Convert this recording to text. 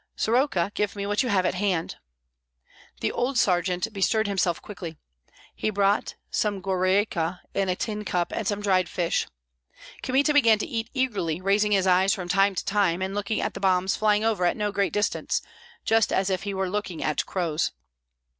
Soroka, give me what you have at hand." The old sergeant bestirred himself quickly. He brought some gorailka in a tin cup and some dried fish. Kmita began to eat eagerly, raising his eyes from time to time and looking at the bombs flying over at no great distance, just as if he were looking at crows.